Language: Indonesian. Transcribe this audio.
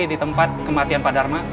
di tempat kematian pak dharma